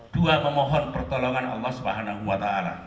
dua memohon pertolongan allah swt